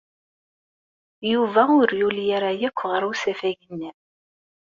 Yuba ur yuli ara akk ɣer usafag-nni.